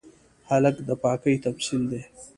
هلک د پاکۍ تمثیل دی.